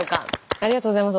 ありがとうございます。